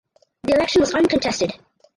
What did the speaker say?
The election was uncontested.